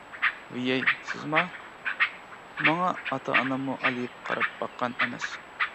— ۋىيەي، سىزما؟ ماڭا ئاتا-ئاناممۇ ئالىيىپ قاراپ باققان ئەمەس.